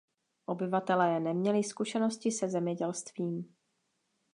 Obyvatelé neměli zkušenosti se zemědělstvím.